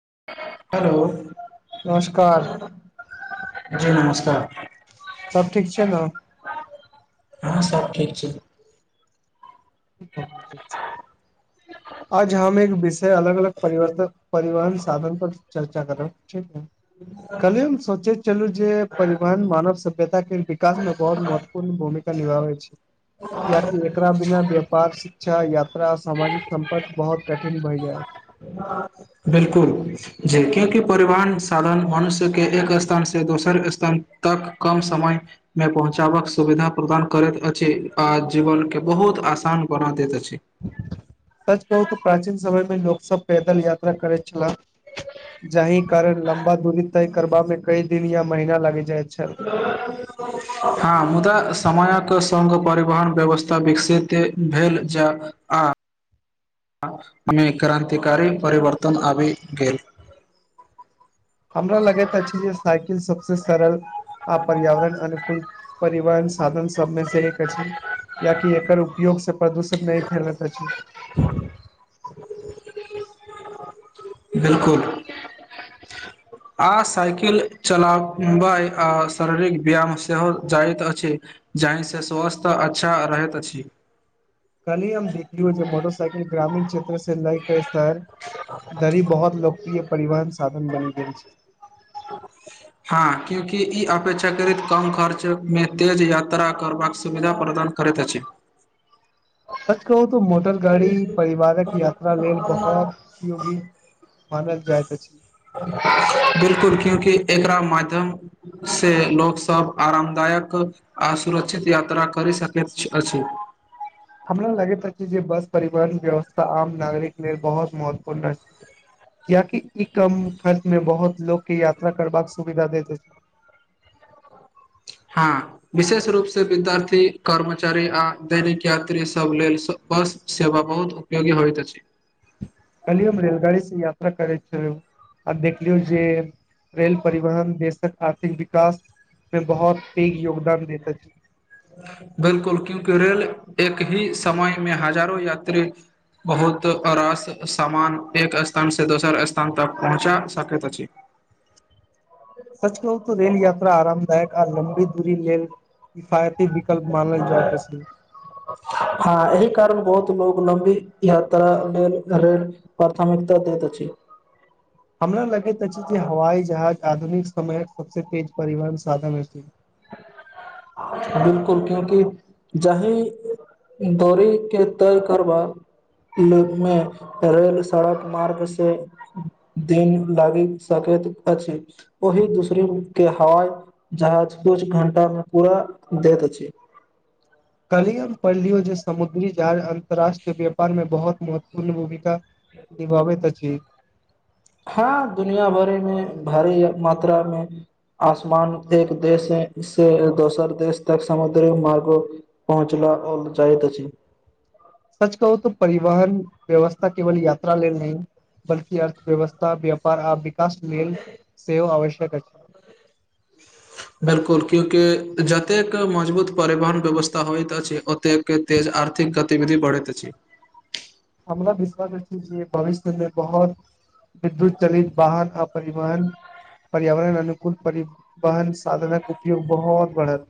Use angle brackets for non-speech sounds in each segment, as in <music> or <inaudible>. ह। <unintelligible> नमस्कार। <unintelligible> जी नमस्कार। <unintelligible> सब ठीक छै ने। <unintelligible> हँ सब ठीक छै। <unintelligible> बहुत अच्छा। <unintelligible> आज हम एक विषय अलग अलग परिवर्तन परिवहन साधन पर चर्चा करब ठीक कले हम सोचे चलू जे परिवहन मानव सभ्यता के विकास में बहुत महत्वपूर्ण भूमिका निभाबै छै - एकरा बिना व्यापार शिक्षा यात्रा सामाजिक। सम्पर्क बहुत कठिन भए जाय। <unintelligible> बिलकुल जी क्यूकि परिवहन साधन मनुष्यके एक स्थान से दोसर स्थान तक कम समयमे पहुँचाबक सुविधा प्रदान करैत अछि आ जीवनक के बहुत आसान बना दैत अछि। <unintelligible> कहू तऽ प्राचीन समय मे लोक सब पैदल यात्रा करैत छह जाहि कारण लम्बा दूरी तय करबामे कई दिन या महीना लागि जाइत छल। <unintelligible> हँ मुदा समयक सङ्ग परिवहन व्यवस्था विकसित भेल ज आमे -क्रान्तिकारी परिवर्तन आबि गेल। <unintelligible> हमरा लगैत अछि जे साइकिल सबसँ सरल आ पर्यावरण अनुकूल परिवहन साधन सबमे से एक अछि यियाकि एकर उपयोग से प्रदूषण नहि फैलैत अछि। <unintelligible> ह। <unintelligible> बिलकुल <unintelligible> आ साइकिल चलाबय आ शारीरिक व्यायाम सेहो जाइत अछि जाहिसँ स्वास्थ्य अच्छा रहैत अछि। <unintelligible> कली हम देखिय जे मोटरसाइकिल ग्रामीण क्षेत्र। लई क स्थान दरी बहुत लोकप्रिय परिवहन साधन बने। के। <unintelligible> हँ क्यूँकि ई अपेक्षाकृत कम खर्चमे तेज यात्रा करबाक सुविधा प्रदान करैत अछि। <unintelligible> सच कहू त मोटर गाड़ी परिवारक यात्रा लेल बहुत उ होगी। मानल जाइ त छै। <unintelligible> बिल्कुल क्यूँकि एकरा माध्यमसँ लोकसभ आरामदायक आ सुरक्षित यात्रा करि सकैत अछि। <unintelligible> हमरा लगैत अछि छै जे बस परिवहन व्यवस्था आम नागरिक लेल बहुत महत्वपूर्ण छै किियाकि ई कम खर्च मे बहुत लोको के यात्रा करबाक सुविधा दैत छै। हँ विशेष रूपसँ विद्यार्थी कर्मचारी आ दैनिक यात्री सभ लेल बस सेवा बहुत उपयोगी होइत अछि। <unintelligible> कलियी हम रेलगाड़ी से यात्रा करैत छलहु आ देखलियौ जे रेल परिवहन देशक आर्थिक विकास मे बहुत पैघ योगदान देैत अछि। <unintelligible> बिल्कुल क्यूकि रेल एक ही समयमे हजारों यात्री बहुत रस सामान एक स्थानसँ दोसर स्थान तक पहुँचा सकैत अछि। <unintelligible> सच कहूो रेल यात्रा आरामदायक आ लम्बी दूरी लेल कफायत। <unintelligible> <unintelligible> हँ एहिह कारण बहुत लोक। अलम्बी यात्रा लेल- लेल प्राथमिकता दैत अछि। <unintelligible> हमरा लगे तऽ चीजे हवई जहाज। <unintelligible> आधुनिक समयक सबसँ तेज परिवहन साधन हो छै। बिलकुल क्यूकि जाहि- दौरी के तय करबा मे रेल सड़क मार्ग से दिन लागि सकैत अछि ओहि दूसर के हवाई जहाज कुछ घं्टामे। पूरा दैत अछि छै। <unintelligible> कलिय पढ़ लियौ जे समुद्री जड़ अन्तर्राष्ट्रीय व्यापार में बहुत महत्वपूर्ण भूमिका। क नि बबै त अति। हँ दुनििया भरिमे भारी मात्रामे आसमान एक देश से दोसर देश तक समुद्रिक मार्ग पहुँचला जाइत अछि। <unintelligible> सच कहू तऽ परिवहन व्यवस्था केवल यात्रा लेल नहि बल्कि अर्थव्यवस्था व्यापार आदिक। कशट लेल- सेहो आवश्यक। ट के बिल्कुल, क्यूकि जतेक मजबूत परिवहन व्यवस्था होइत अछि, ओतेक तेज आर्थिक गतिविधि बढ़ैत अछि। हमरा विश्वास भविष्य मे बहुत विद्युत चलित वाहन आ परिवहन पर्यावरण अनुकूल परिवहन साधनक उपयोग बहुत बढ़त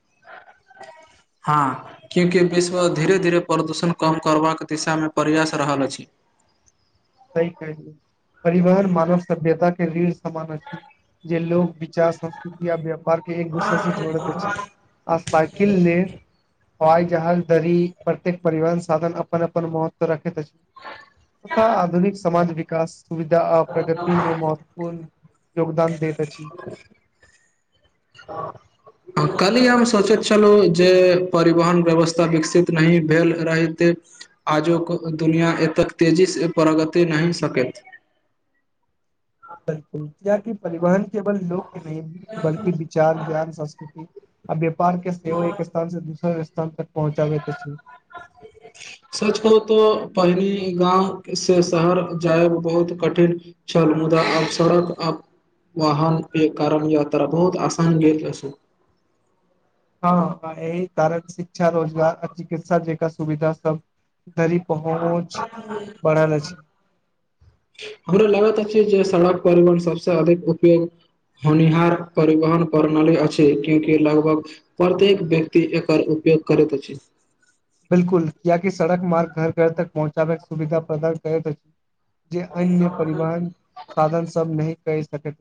हँ, क्यूँकि विश्व धीरे धीरे प्रदूषण कम करबाक दिशा मे प्रयास रहल अछि। सही कहते, परिवहन मानव सभ्यता के ऋढ़ समान जे लोकोग विचार संस्कृति य व्यापार एक दूसर से जोड़ैत छी <unintelligible> आ सााकिल ले। हवाई जहाज दरी प्रत्येक परिवहन साधन अपनन अपन महत्व रखैत अछि। आधुनिक समाज विकास सुविधा आ प्रगति मे महत्वपूर्ण योगदान दैवे छै। कल्हि हम सोचैत छलहुँ जे, परिवहन व्यवस्था विकसित नहि भेल रहित आजु क दुनिआँ एतेक तेजी सँ प्रगति नहि सकैत। बिल्कुल क्यो कि परिवहन केवल लोक के नहि, बल्कि विचार, ज्ञान, संस्कृति आ व्यापार के सेहो एक स्थान से दूसर स्थान तक पहुँचाबे तसी। त पहिने गाँव से शहर जायब बहुत कठिन छल, मुदा आब सड़क आ वाहनक के कारण यात्रा बहुत आसान गेल अछि। हाँ, एहि कारण छै अच्छा रोजगार, आ चिकित्सा जक सुविधा सब धरि पहुँच बढ़ल अछि हमरा लागैत छै जे सड़क परिवहन सबस अधिक उपयोग होनिहार परिवहन प्रणाली अछि, क्यूंकि लगभग प्रत्येक व्यक्ति एकर उपयोग करैत अछि। बिलकुल कियाकि सड़क मार्ग घर घर तक पहुँचाबै के सुविधा प्रदान करैत अछि। जे अन्य परिवहन साधन सब नहि कहि सक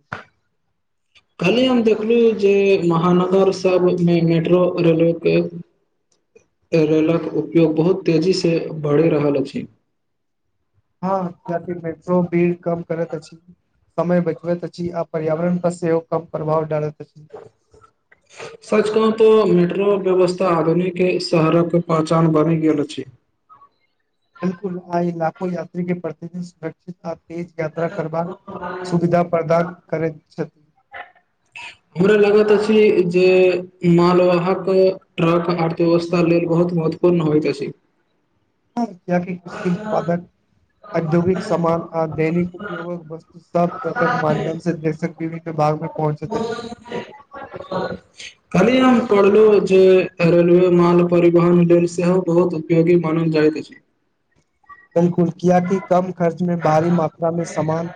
कल ही हम देखलहुँ जे महानगर सभ मे मेट्रो, रेलवे रेलक उपयोग बहुत तेजी सँ बढ़ि रहल अछि। हँ, ज मेट्रो ीड कम करत अछि, समय बजबत छी, आ पर्यावरण बस सेहो क प्रभाव डालत सच कहू तो मेट्रो व्यवस्था आधुनिक शहरक पहचान बनि गेल अछि। बिलकल, आज लाखो यात्री के प्रतिदिन सुरक्षित तेज यात्रा करबा, सुविधा प्रदान करैत छथ हमरा लागैत अछि जे मालवाहक ट्रक, अर्थव्यवस्था लेल बहुत महत्वपूर्ण होइत अछि। कृषि उत्पादक, औद्योगिक समामान आ दैनिक उपयोगक वस्तु सब माध्यम से दे सक कलही हम पढ़लो जे रेलवे माल परिवहन लऋन सेहो बहुत उपयोगी मानल जाइतइत अछि। बिल्कुल, किया की कम खर्च मे भारी मात्रा मे सामान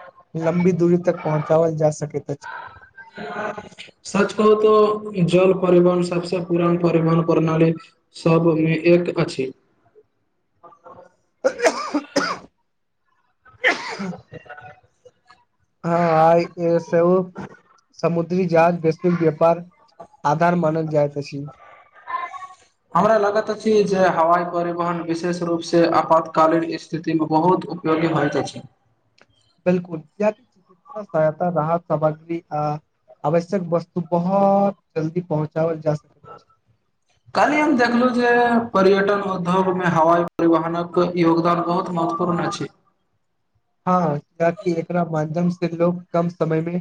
लं्बित दूरी तक पहुँचाबल जा सकै अछि। सच कहू तऽ, जल परिवहन सबस पुरान परिवहन प्रणाली सबमे एक अछि। <unintelligible> <unintelligible> हँ, आ सब समुद्री जहाज, वैश्विक व्यापार आधार मानल जाइत छै। हमरा लगैत अछि जे हवाई परिवहन विशेष रूप सँ आपातकालीन स्थिति मे बहुत उपयोगी होइत अछि। बिल्कुल, याकि चिकित्सा सहायता, राहत सामग्री आ आवश्यक वस्तु बहुत जल्दी पहुँचाओल जा सकैत छै। काल्हि हम देखलहुँं जे पर्यटन उद्योगमे हवाई परिवहनक योगदान बहुत महत्वपूर्ण अछि। हँ, कियाकि एकरा माध्यम से लोग कम समय मे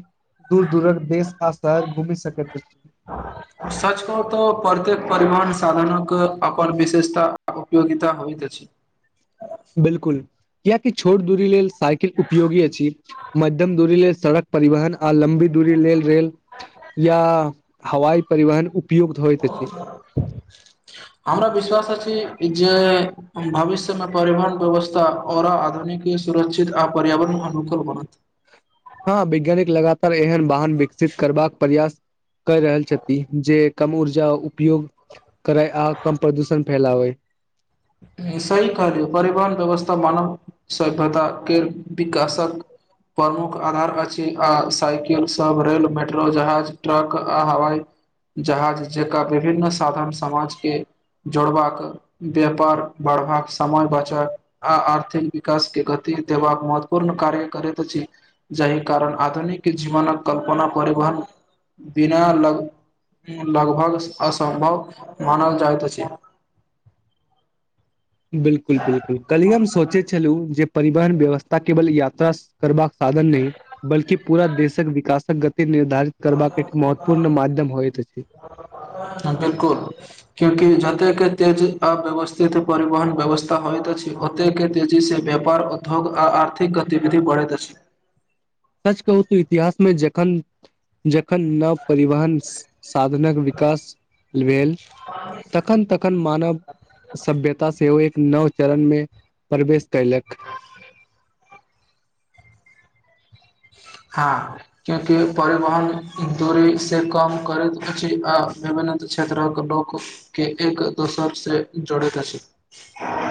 दूर दूरक देश आ शहर घूमी सकैत। सच कह तऽ प्रत्येक परिवहन साधन के अपन विशेषता उपयोगिता होत छै। बिल्कुल। कियाकि छोट दूरी लेल साइकिल उपयोगी अछि, मध्यम दूरी लेल सड़क परिवहन, आ लं्बी दूरी लेल रेल या हवाई परिवहन उपयुक्त होइत अछि हमरा विश्वास अछी जे भविष्य मे परिवहन व्यवस्था आऔर आधुनिक सुरक्षित आ पर्यावरण अनुकूल बनत। हँ वैज्ञानिक लगातार एहन वाहन विकसित करबाक प्रयास कर रहल छथि, जे कम ऊर्जा उपयोग करै आ कम प्रदूषण फैलावे सही कह परिवहन व्यवस्था मानव सभ्यता के विकासक प्रमुख आधार अछि, आ साइकिल सभ, रेल, मेट्रो, जहाज, ट्रक आ हवाई जहाज जकरा विभिन्न साधन समाज के जोड़बाक व्यापार बढ़बाक समय बचत आ आर्थिक विकास के गति देबाक महत्वपूर्ण कार्य करैत अछि, जाहि कारण आधुनिक जीवनक कल्पना परिवहन बिना लग लगभग असम्भव मानल जाइत अछि। बिल्कुल, बिलकुल, कलही हम सोचै छलहुँ जे परिवहन व्यवस्था केवल यात्रा करबाक साधन नहि, बल्ि पूरा देशक विकासक गति निर्धारित करबाक हाँ, एक महत्वपूर्ण माध्यम होइत अछि बिलकुल, क्यूंकि ज ओतेक के तेजी अव्यवस्थित परिवहन व्यवस्था होइत अछि, ओतेकके तेजी सँ व्यापार उद्योग आ आर्थिक गतिविधि बढ़ैत अछि। सच कहू तऽ इतिहास मे जखन जखन नव परिवहन साधनक विकास भेल, तखन तखन मानव सभ्यता सेहो एक नव चरण मे प्रवेश कयलक हँ, क्यूकि परिवहन दूरी से कम करैत अछि आ विभिन्न क्षेत्रक लोक के एक दोसर से जोड़ैत अछि।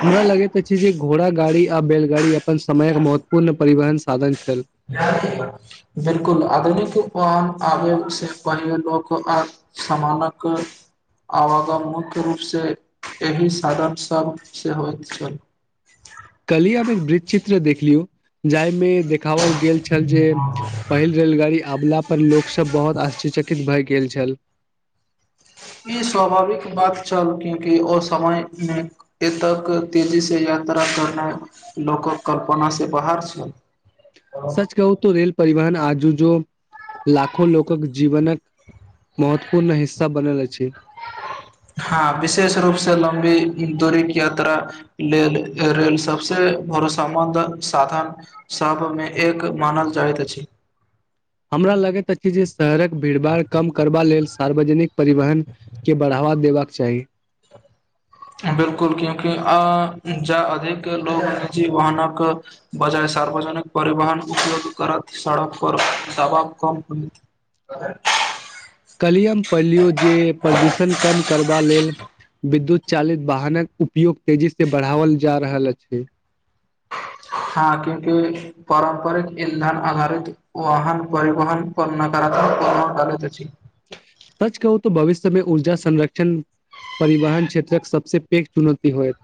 हमरा लगैत छै जे घोड़ा गाड़ी आ बेलगाड़ी अपन समयक महत्वपूर्ण परिवहन साधन छै। बिल्कुल, आधुनिक वन आबै सँ पहि लोक आ समानक आवागम मुख्य रूपसँ एहि साधन सभ सँ होइत छल। कलही हम एक वृत चित्र देखलियौ जाहिमे कावल गेल छल जे, पहिल रेलगाड़ी आबला पर लोक सब सभ बहुत आश्चरचकित भए गेल छल। ई स्वाभाविक बात छल, क्यकि ओ समयमे एतेक तेजीसँ यात्रा करनाइ लोकक कल्पना से बाहर छल। सच कहू त रेल परिवहन आजू जो लाखों लोकक जीवनक महत्वपूर्ण हिस्सा बनल अछि। हँ, विशेष रूपसँ लम्बी दूरीक यात्रा लेल रेल सभ सँ भर सबध साधन सभमे एक मानल जाइत अछि। हमरा लगैत कि जे शहरक भीड़ भाड़ कम करबा लेल सार्वजनिक परिवहन के बढ़ावा देबाक चाही। बिल्कुल, क्यूँकि जँ अधिक लोक निजी वाहनक बजाय सार्वजनिक परिवहन उपयोग करथि सड़कपर दबाव कम करत। कलहीयु ह म पढ़ लियौ जे प्रदूषण कम करबा लेल विद्युत चालित वाहनक उपयोग तेजीसँ बढ़ाओल जा रहल अछि। हँ, क्योकि पारम्परिक इन्धन आधारित वाहन परिवहन को न कर को करैत अछि। सच कहू तऽ भविष्य मे ऊर्जा संरक्षण परिवहन क्षेत्रक सभ सँ पैघ चुनौती होयत।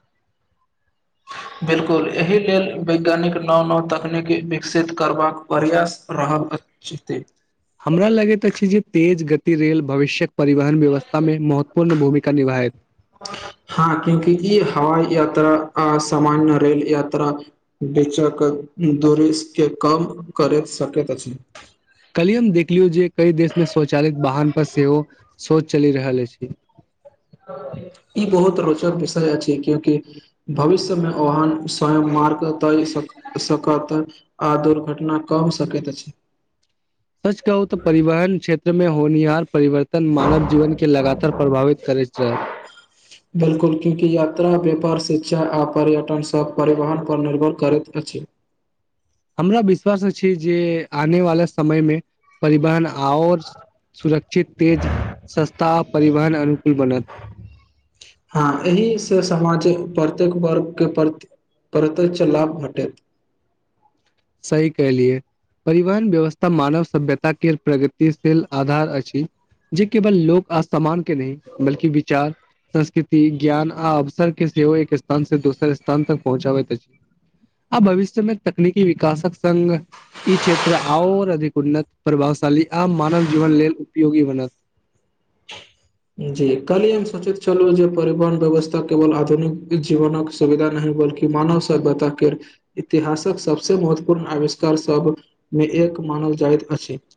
बिलकुल, एहि लेल वैज्ञानिक नव नव तकनीकी विकसित करबाक प्रयास रहल छथि। हमरा लगैत छै जे तेज गति रेल भवष्यक परिवहन व्यवस्था मे महत्व पूर्ण भूमिका निभाए हँ, क्यंकि ई हवाई यात्रा आ सामान्य रेल यात्रा बीचक दूुररी के कम करैत सकैत अछि। कलही हम देखलियौ जे कई देश मे स्वचालित वाहन पर सेहो शोच चलि रहल अछि। ई बहुत रोचक विषय अछि, क्यूकि भविष्यमे वहन स्वयं मार्ग तय सकत आ दुर्घटना कम सकैत अछि। सच कहू तऽ परिवहन क्षेत्र मे होनिहार परिवर्तन मानव जीवन के लगातार प्रभावित करैत रहत। पर शिक्षा आ पर्यटन सभ परिवहन पर निर्भर करैत अछि। हमरा विश्वास मे छी जे आने वाला समय मे परिवहन आओर सुरक्षित, तेज, सस्ता परिवहन अनुकूल बनत हँ, एहिसँ समाज प्रत्येक वर्ग के प्रति प्रत्ष लाभ भेटत। सही कलियए, परिवहन व्यवस्था मानव सभ्यता के प्रगतिशील आधार अछि जे केवल लोक अ समान के नहि, बल्कि विचार संस्कृति ज्ञान आ अवसर के सेहो एक स्थान से दोसर स्थान तक पहुँचाबैत अछि, आ भविष्य मे तकनीक की विकासक संग्ग ई क्षेत्र आओर अधिक उन्नत प्रभावशाली आ मानव जीवन लेल उपयोगी बनत। जी कल हम सोचैत छलू, जे परिवहन व्यवस्था केवल आधुनिक जीवनक सुविधा नहि बल्कि मानव सभ्यताके इतिहासक सबसे महत्वपूर्ण आविष्कार सबमे एक मानल जाइत अछि।